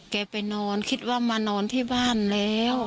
ไปนอนคิดว่ามานอนที่บ้านแล้ว